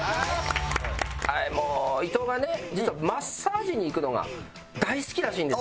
伊藤がね実はマッサージに行くのが大好きらしいんですよ。